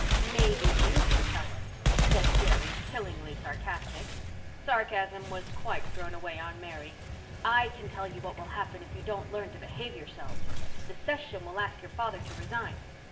"Maybe you can tell us," said Jerry, killingly sarcastic. Sarcasm was quite thrown away on Mary. "I can tell you what will happen if you don't learn to behave yourselves. The session will ask your father to resign.